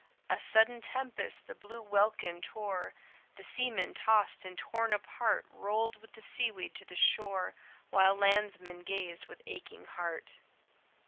"'A sudden tempest the blue welkin tore, The seamen tossed and torn apart Rolled with the seaweed to the shore While landsmen gazed with aching heart.